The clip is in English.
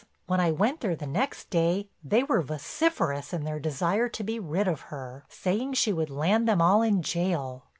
When I went there the next day they were vociferous in their desire to be rid of her, saying she would land them all in jail.